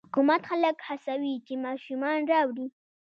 حکومت خلک هڅوي چې ماشومان راوړي.